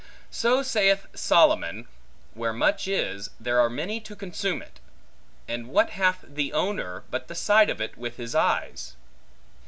So saith Solomon, Where much is, there are many to consume it; and what hath the owner, but the sight of it with his eyes?